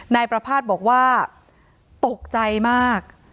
นายประภาษณ์บอกว่าตกใจมาก